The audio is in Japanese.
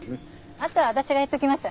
あとは私がやっておきます。